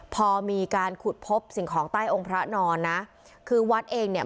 พอมีการขุดพบสิ่งของใต้องค์พระนอนนะคือวัดเองเนี่ย